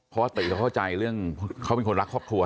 เพราะว่าตีเขาเข้าใจเรื่องเขาเป็นคนรักครอบครัว